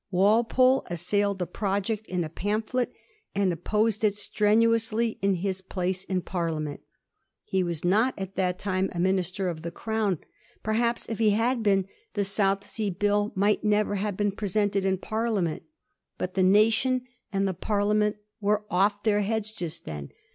Walpole aasailed the project in a pamphlet, and opposed it strenuously in his pla^e in Parliament. He was not at that time a minister of the Crown ; Digiti zed by Google 248 A HI8T0BY OF THE FOUR GEOE0ES. ol n* perhaps, if he had been, the South Sea Bill might never have been presented to Parliament ; but the nation and the Parliament were off their heads just then.